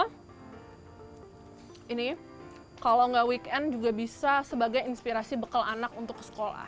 hai ini kalau enggak weekend juga bisa sebagai inspirasi bekal anak untuk ke sekolah